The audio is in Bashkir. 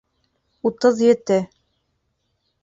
Утыҙ ете